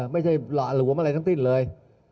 ไม่ใช่หล่าหลวมอะไรทั้งติ้นเลย